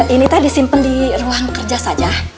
ini tadi simpen di ruang kerja saja